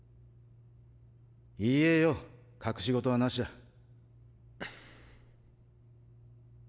言えよ隠し事は無しだ。っ。